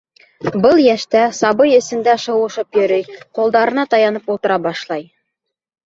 Был йәштә сабый эсендә шыуышып йөрөй, ҡулдарына таянып ултыра башлай.